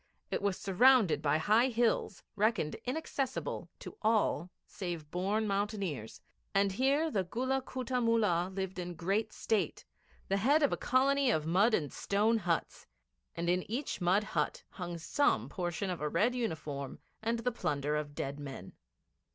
It was surrounded by high hills, reckoned inaccessible to all save born mountaineers, and here the Gulla Kutta Mullah lived in great state, the head of a colony of mud and stone huts, and in each mud hut hung Some portion of a red uniform and the plunder of dead men.